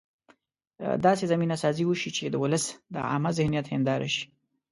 داسې زمینه سازي وشي چې د ولس د عامه ذهنیت هنداره شي.